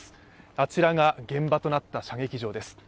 あちらが現場となった射撃場です。